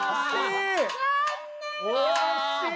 惜しい！